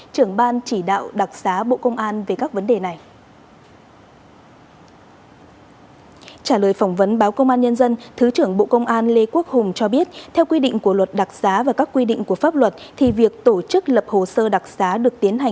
trưởng ban chỉ đạo đặc xá bộ công an về các vấn đề này